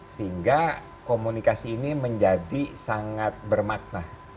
sehingga komunikasi ini menjadi sangat bermakna